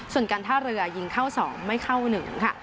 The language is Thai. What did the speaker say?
ส่วนการท่าเรือยิงเข้า๒ไม่เข้า๑ค่ะ